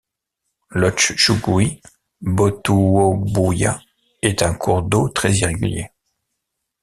L'Otchtchougouï-Botouobouia est un cours d'eau très irrégulier.